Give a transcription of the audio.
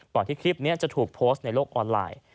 ที่คลิปนี้จะถูกโพสต์ในโลกออนไลน์